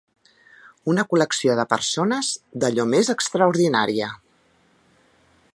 Una col·lecció de persones d'allò més extraordinària